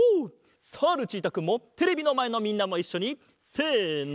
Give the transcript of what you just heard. さあルチータくんもテレビのまえのみんなもいっしょにせの。